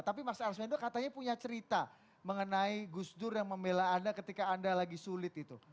tapi mas arswendo katanya punya cerita mengenai gus dur yang membela anda ketika anda lagi sulit itu